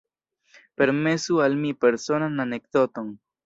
Permesu al mi personan anekdoton.